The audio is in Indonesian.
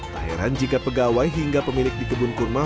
tak heran jika pegawai hingga pemilik di kebun kurma